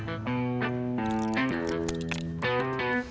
sampai jumpa di video selanjutnya